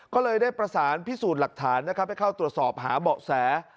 ก็เลยได้ประสานพิสูจน์หลักฐานนะครับให้เข้าตรวจสอบหาเบาะแส